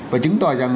và chứng tỏ rằng